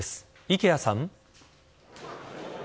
池谷さん。